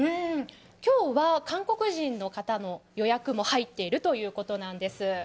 今日は韓国人方の予約も入っているということなんです。